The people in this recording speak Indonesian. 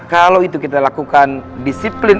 kalau itu kita lakukan disiplin